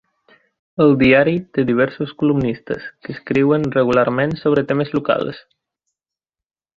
El diari té diversos columnistes que escriuen regularment sobre temes locals.